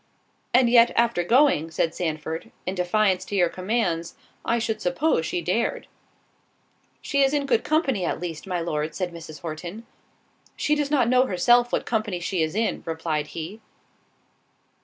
"And yet, after going," said Sandford, "in defiance to your commands, I should suppose she dared." "She is in good company, at least, my Lord," said Mrs. Horton. "She does not know herself what company she is in," replied he.